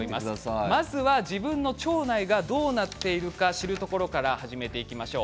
まずは自分の腸内がどうなっているか知るところから始めていきましょう。